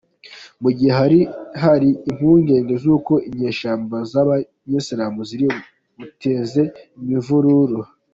Mu gihe hari hari impungenge z’uko inyeshyamba z’abayisilamu ziri buteze imvururu.